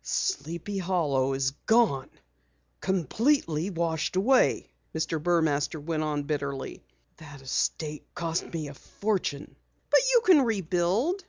"Sleepy Hollow is gone completely washed away," Mr. Burmaster went on bitterly. "The estate cost me a fortune." "But you can rebuild."